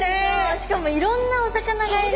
しかもいろんなお魚がいる！